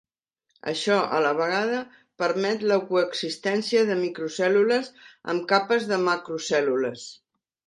Això, a la vegada, permet la coexistència de microcèl·lules amb capes de macrocél·lules.